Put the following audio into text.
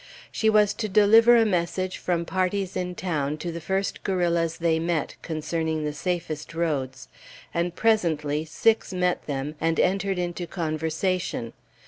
She was to deliver a message from parties in town to the first guerrillas they met, concerning the safest roads, and presently six met them, and entered into conversation.